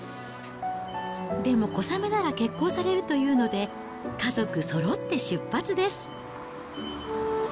でも小雨なら決行されるというので、家族そろって出発です。